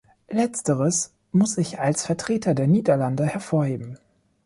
Letzteres muss ich als Vertreter der Niederlande hervorheben.